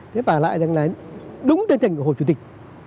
thế và lại đánh đánh đúng tên thành của hội chủ tịch